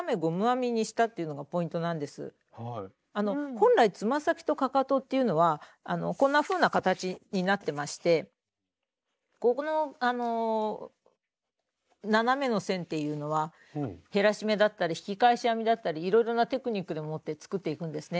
本来つま先とかかとっていうのはこんなふうな形になってましてここの斜めの線っていうのは減らし目だったり引き返し編みだったりいろいろなテクニックでもって作っていくんですね。